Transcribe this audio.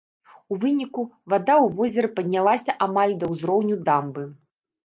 У выніку вада ў возеры паднялася амаль да ўзроўню дамбы.